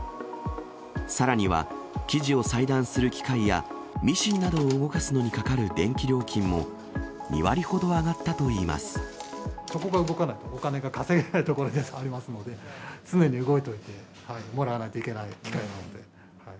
さらには、生地を裁断する機械やミシンなどを動かすのにかかる電気料金も２そこが動かないと、お金が稼げないところでありますので、常に動いといてもらわないといけない機械なので。